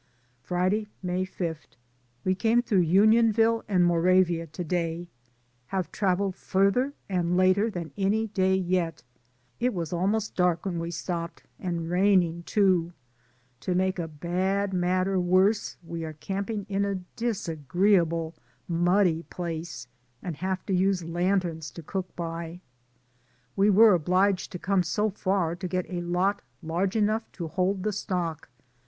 Friday, May 5. We came through Unionville and Moravia to day. Have traveled farther and later than any day yet. It was almost dark when we stopped, and raining, too; to make a bad 24 DAYS ON THE ROAD, matter worse, we are camping in a disagree able muddy place, and have to use lanterns to cook by. We were obliged to come so far to get a lot large enough to hold the stock.